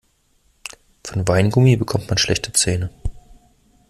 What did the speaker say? Von Weingummi bekommt man schlechte Zähne.